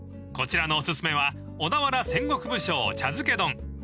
［こちらのお薦めは小田原戦国武将茶漬け丼］